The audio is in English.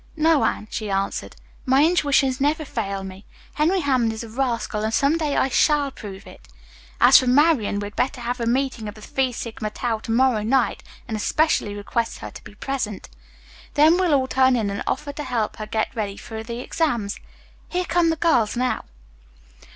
"No, Anne," she answered, "my intuitions never fail me. Henry Hammond is a rascal, and some day I shall prove it. As for Marian we'd better have a meeting of the Phi Sigma Tau to morrow night and especially request her to be present. Then we'll all turn in and offer to help her get ready for the exams. Here come the girls now."